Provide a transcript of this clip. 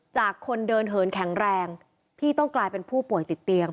คนเดินเหินแข็งแรงพี่ต้องกลายเป็นผู้ป่วยติดเตียง